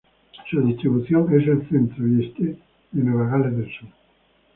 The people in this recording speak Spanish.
Su distribución es el centro y este de Nueva Gales del Sur.